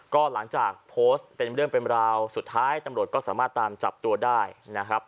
ก็หลังจากโพสต์เป็นเรื่องเป็นราวสุดท้ายตำรวจก็สามารถตามจับตัวได้นะครับ